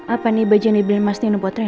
apa nih baju yang dibeli mas nino buat rena